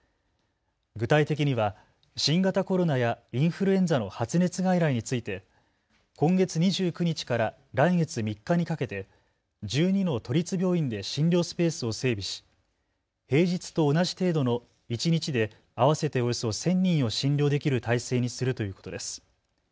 具体的には新型コロナやインフルエンザの発熱外来について今月２９日から来月３日にかけて１２の都立病院で診療スペースを整備し平日と同じ程度の一日で合わせておよそ１０００人を診療できる体制にするということです。